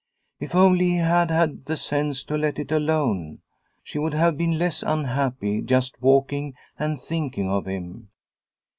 If only he had had the sense to let it alone. She would have been less unhappy just walking and thinking of him.